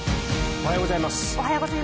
おはようございます。